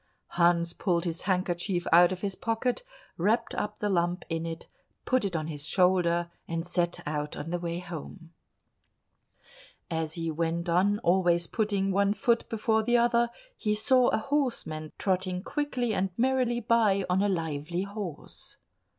Hans pulled his handkerchief out of his pocket, wrapped up the lump in it, put it on his shoulder, and set out on the way home. As he went on, always putting one foot before the other, he saw a horseman trotting quickly and merrily by on a lively horse.